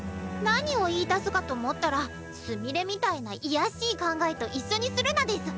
何を言いだすかと思ったらすみれみたいな卑しい考えと一緒にするなデス。